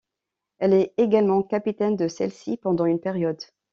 Elle est également capitaine de celle-ci pendant une période.